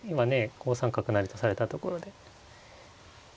５三角成とされたところで同金がね